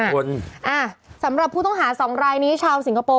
สำหรับผู้ต้องหา๒รายนี้ชาวสิงคโปร์